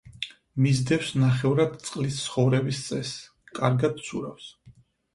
მისდევს ნახევრად წყლის ცხოვრების წესს; კარგად ცურავს.